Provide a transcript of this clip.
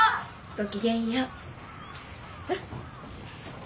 ごきげんよう。